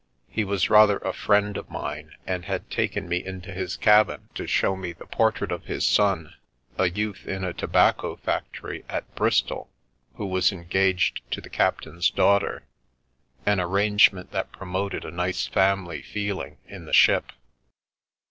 He was rather a friend of mine and had taken me into his cabin to show me the portrait of his son, a youth in a tobacco factory at Bristol, who was engaged to the captain's daughter — an arrangement that promoted a nice family feeling in the ship.